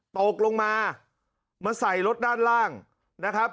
ตกลงมามาใส่รถด้านล่างนะครับ